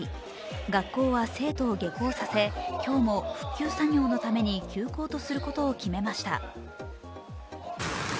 学校は生徒を下校させ、今日も復旧作業のために休校とすることを決めました。